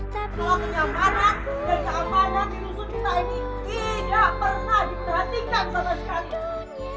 kalau kenyamanan dan keamanan diusun kita ini tidak pernah diperhatikan sama sekali